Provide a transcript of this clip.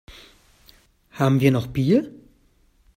Haben wir noch Bier?